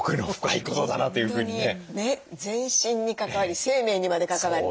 本当に全身に関わり生命にまで関わる。